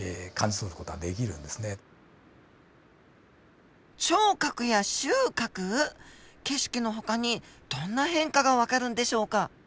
景色のほかにどんな変化がわかるんでしょうか？